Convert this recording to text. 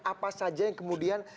apa saja yang kemudian